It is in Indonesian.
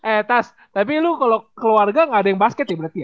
eh tas tapi lu kalau keluarga nggak ada yang basket ya berarti ya